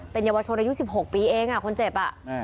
เป็นเยาวชนอายุ๑๖ปีเองคนเจ็บ